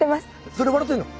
それ笑うてんの？